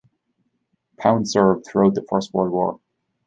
Pound served throughout the First World War.